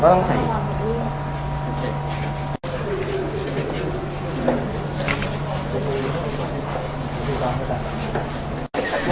สวัสดีครับ